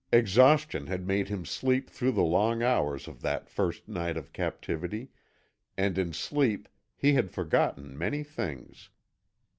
Exhaustion had made him sleep through the long hours of that first night of captivity, and in sleep he had forgotten many things.